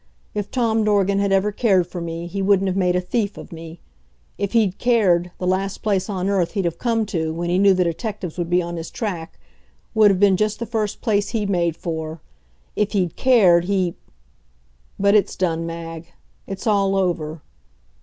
If Tom Dorgan had ever cared for me he wouldn't have made a thief of me. If he'd cared, the last place on earth he'd have come to, when he knew the detectives would be on his track, would have been just the first place he made for. If he'd cared, he But it's done, Mag. It's all over.